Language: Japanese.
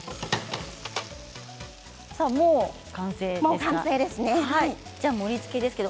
もう完成ですか。